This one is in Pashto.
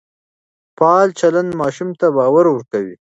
فعال چلند ماشوم ته باور ورکوي.